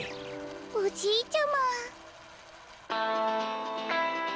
おじいちゃま。